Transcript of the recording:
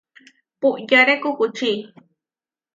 Puyáre kukučí.